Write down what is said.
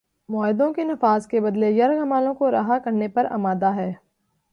معاہدوں کے نفاذ کے بدلے یرغمالوں کو رہا کرنے پر آمادہ ہے